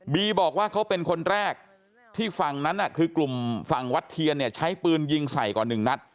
บีบอกว่าเขาเป็นคนแรกที่ฝั่งนั้นคือกลุ่มฝั่งวัดเทียใช้ปืนยิงใส่กว่า๑นับ